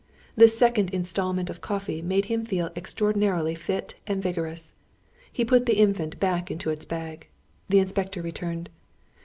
This second instalment of coffee made him feel extraordinarily fit and vigorous. He put the Infant back into its bag. The inspector returned.